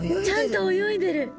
ちゃんと泳いでる！